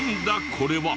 これは。